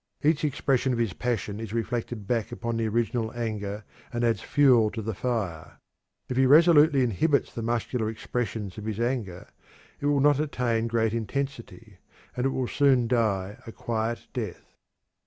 Each expression of his passion is reflected back upon the original anger and adds fuel to the fire. If he resolutely inhibits the muscular expressions of his anger, it will not attain great intensity, and it will soon die a quiet death.